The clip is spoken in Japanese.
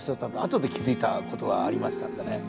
後で気付いたことがありましたんでね。